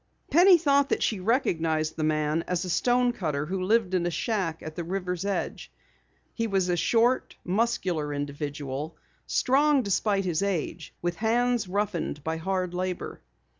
Penny thought that she recognized the man as a stonecutter who lived in a shack at the river's edge. He was a short, muscular individual, strong despite his age, with hands roughened by hard labor.